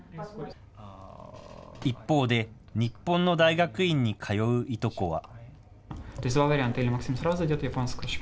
一方で、日本の大学院に通ういとこは。